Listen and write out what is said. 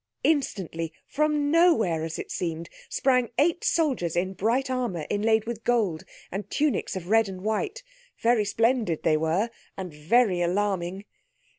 Instantly, from nowhere as it seemed, sprang eight soldiers in bright armour inlaid with gold, and tunics of red and white. Very splendid they were, and very alarming.